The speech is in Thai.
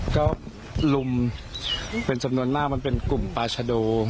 ก็ลุมเป็นจำนวนมากมันเป็นกลุ่มปาชโด